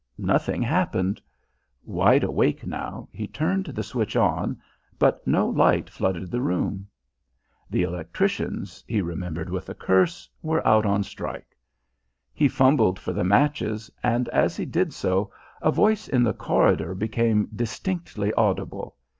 Nothing happened. Wide awake now, he turned the switch on, but no light flooded the room. The electricians, he remembered with a curse, were out on strike. He fumbled for the matches, and as he did so a voice in the corridor became distinctly audible.